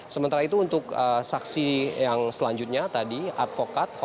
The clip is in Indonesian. sementara itu untuk saksi yang selanjutnya tadi advokat